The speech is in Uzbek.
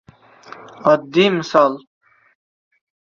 Oddiy misol.